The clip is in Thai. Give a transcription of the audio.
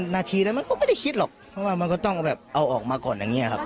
นาทีแล้วมันก็ไม่ได้คิดหรอกเพราะว่ามันก็ต้องแบบเอาออกมาก่อนอย่างนี้ครับ